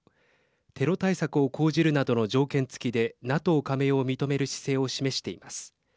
テロ対策を講じるなどの条件付きでＮＡＴＯ加盟を認める姿勢を示しています。